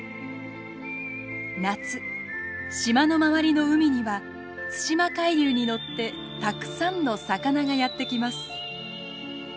夏島の周りの海には対馬海流に乗ってたくさんの魚がやってきます。